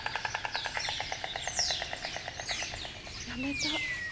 「やめた」。